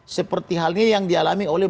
seperti halnya yang dialami oleh